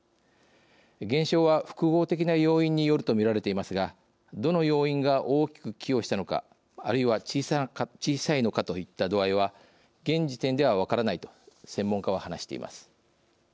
減少は、複合的な要因によるとみられていますがどの要因が大きく寄与したのかあるいは小さいのかといった度合いは現時点では分からないと専門家は話しています。